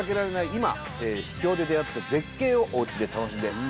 今秘境で出会った絶景をおうちで楽しんでください」